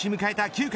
９回。